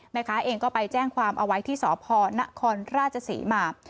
แม่ค้าเองก็ไปแจ้งความเอาไว้ที่สพนครราชศรีมา